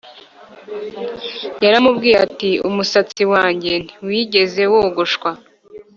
yaramubwiye ati umusatsi wanjye ntiwigeze wogoshwa